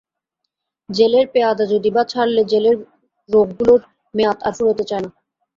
জেলের পেয়াদা যদি বা ছাড়লে জেলের রোগগুলোর মেয়াদ আর ফুরোতে চায় না।